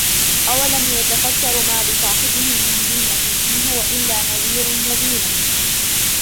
أَوَلَمْ يَتَفَكَّرُوا مَا بِصَاحِبِهِمْ مِنْ جِنَّةٍ إِنْ هُوَ إِلَّا نَذِيرٌ مُبِينٌ